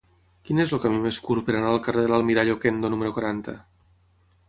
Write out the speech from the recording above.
Quin és el camí més curt per anar al carrer de l'Almirall Okendo número quaranta?